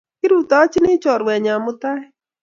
Kirutochini chorwennyo mutai